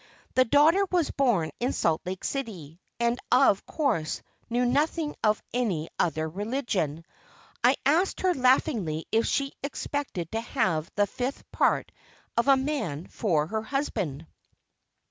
The daughter was born in Salt Lake City, and of course knew nothing of any other religion. I asked her laughingly if she expected to have the fifth part of a man for her husband?